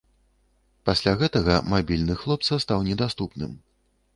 Пасля гэтага мабільны хлопца стаў недаступным.